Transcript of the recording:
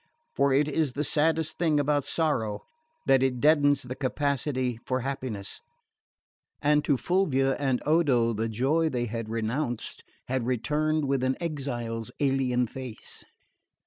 For it is the saddest thing about sorrow that it deadens the capacity for happiness; and to Fulvia and Odo the joy they had renounced had returned with an exile's alien face.